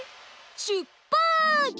しゅっぱつ！